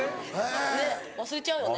ねっ忘れちゃうよね。